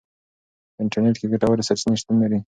په انټرنیټ کې ګټورې سرچینې شتون لري.